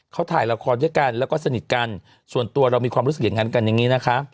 เขาถ่ายละครด้วยกันแล้วก็สนิทกันส่วนตัวเรามีความรู้สึกอย่างนั้นกันอย่างนี้นะคะ